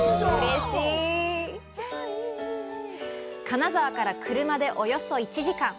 金沢から車でおよそ１時間。